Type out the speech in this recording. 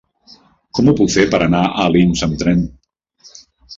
Com ho puc fer per anar a Alins amb tren?